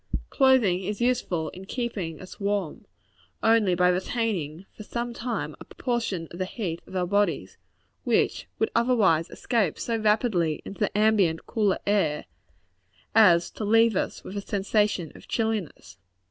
Clothing is useful in keeping us warm, only by retaining, for some time, a portion of the heat of our bodies, which would otherwise escape so rapidly into the ambient cooler air, as to leave us with a sensation of chilliness.